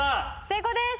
成功です！